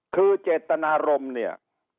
คือเจตนารมณ์เนี่ย